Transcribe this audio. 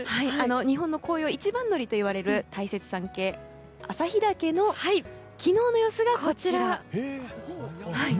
日本の紅葉一番乗りといわれる大雪山系旭岳の昨日の様子がこちら。